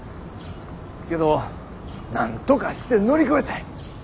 けどなんとかして乗り越えたい。